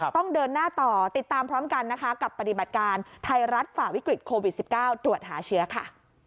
ต้องเดินหน้าต่อติดตามพร้อมกันนะคะกับปฏิบัติการไทยรัฐฝ่าวิกฤตโควิด๑๙ตรวจหาเชื้อค่ะ